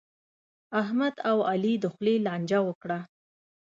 احمد او علي د خولې لانجه وکړه.